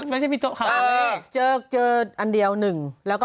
ไม่มีไหมเลขอยู่นั่น